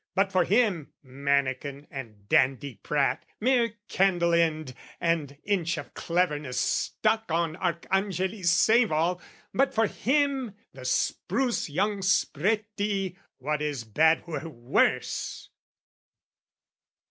"But for him, mannikin and dandiprat, "Mere candle end and inch of cleverness "Stuck on Arcangeli's save all, but for him "The spruce young Spreti, what is bad were worse!